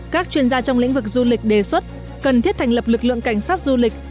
các chuyên gia trong lĩnh vực du lịch đề xuất cần thiết thành lập lực lượng cảnh sát du lịch